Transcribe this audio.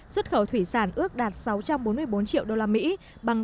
xuất khẩu thủy sản ước đạt sáu trăm bốn mươi bốn triệu đô la mỹ bằng tám mươi bảy năm